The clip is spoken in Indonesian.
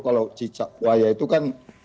kalau cicak buaya itu kan